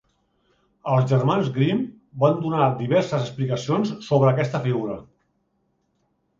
Els germans Grimm van donar diverses explicacions sobre aquesta figura.